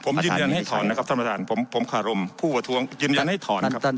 ผมยืนยันให้ถอนนะครับท่านประธานผมขารมผู้ประท้วงยืนยันให้ถอนครับ